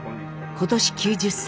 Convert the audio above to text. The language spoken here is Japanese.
今年９０歳。